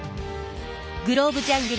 グローブジャングル